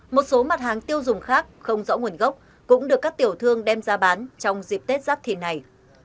một số mặt hàng tiêu dùng khác không rõ nguồn gốc cũng được các tiểu thương đem ra bán trong dịp tết giáp thì này